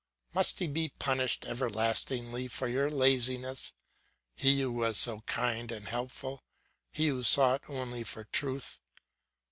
Must he be punished everlastingly for your laziness, he who was so kind and helpful, he who sought only for truth?